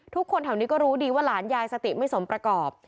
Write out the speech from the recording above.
ทุกคนแถวนี้ก็รู้ดีว่าหลานยายสติไม่สมประกอบ